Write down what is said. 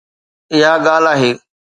اها ڳالهه آهي.